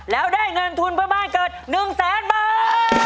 แล้วได้เงินทุนเพื่อบ้านเกิด๑แสนบาท